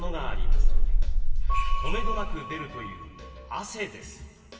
とめどなく出るという汗です。